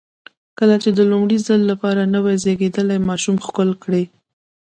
کله چې د لومړي ځل لپاره نوی زېږېدلی ماشوم ښکل کړئ.